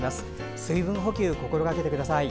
水分補給を心がけてください。